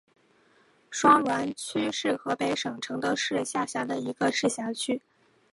双滦区是河北省承德市下辖的一个市辖区。